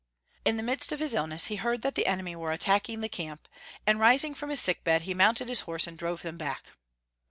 In the midst of his illness he heard that the enemy were attacking the camp, and rising from his sick bed, he mounted his horse and drove them back.